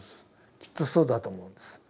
きっとそうだと思うんです。